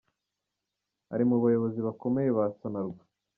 ari mu bayobozi bakomeye ba Sonarwa.